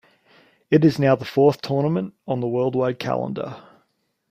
It is now the fourth tournament on the worldwide calendar.